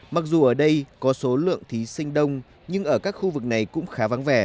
mặc dù ở đây có số lượng thí sinh đông nhưng ở các khu vực này cũng khá vắng vẻ